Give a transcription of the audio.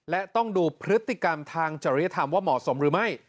และต้องดูพฤติกรรมทางจริยธรรมว่าเหมาะสมหรือไม่